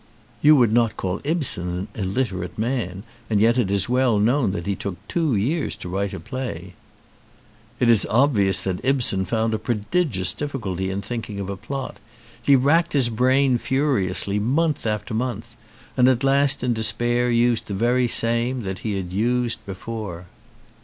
"You would not call Ibsen an illiterate man and yet it is well known that he took two years to write a play." "It is obvious that Ibsen found a prodigious difficulty in thinking of a plot. He racked his brain furiously, month after month, and at last in despair used the very same that he had used before."